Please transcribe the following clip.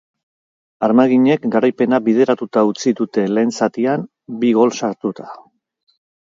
Armaginek garaipena bideratuta utzi dute lehen zatian, bi gol sartuta.